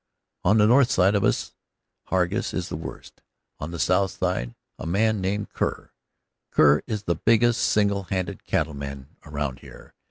"On the north of us Hargus is the worst, on the south a man named Kerr. Kerr is the biggest single handed cattleman around here.